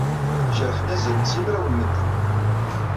Jerḥen azal n simraw n medden.